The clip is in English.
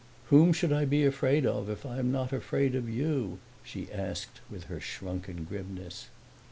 "Whom should I be afraid of if I am not afraid of you?" she asked with her shrunken grimness.